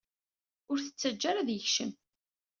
Ur t-tettaǧǧa ara ad yekcem.